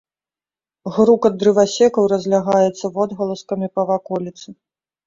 Грукат дрывасекаў разлягаецца водгаласкамі па ваколіцы.